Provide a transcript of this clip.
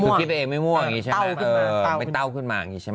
คือคิดตัวเองไม่ม่วงไม่เต้าขึ้นมา